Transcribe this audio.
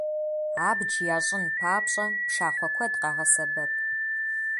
Абдж ящӀын папщӀэ, пшахъуэ куэд къагъэсэбэп.